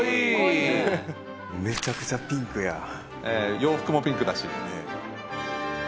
洋服もピンクだし。